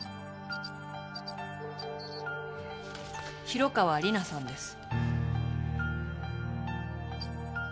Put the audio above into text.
広川理奈さんです。